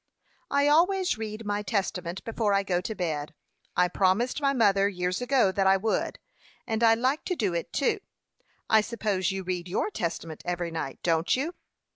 "I always read my Testament before I go to bed; I promised my mother, years ago, that I would; and I like to do it, too. I suppose you read your Testament every night don't you?"